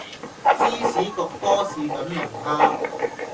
芝士焗波士頓龍蝦